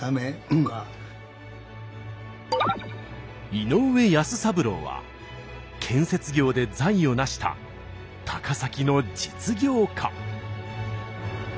井上保三郎は建設業で財を成した高崎の実業家。